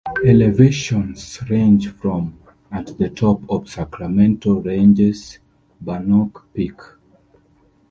Elevations range from at the top of the Sacramento range's Bannock Peak.